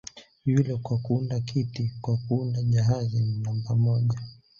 "Yule kwa kuunda kiti, kwa kuunda jahazi ni namba moja"